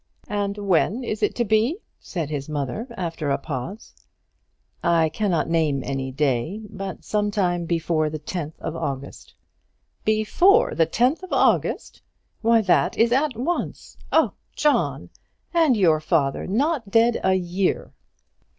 "And when is it to be?" said his mother, after a pause. "I cannot name any day; but some time before the 10th of August." "Before the 10th of August! Why, that is at once. Oh! John; and your father not dead a year!"